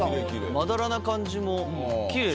まだらな感じもきれい。